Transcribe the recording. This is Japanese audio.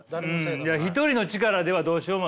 いや一人の力ではどうしようもない。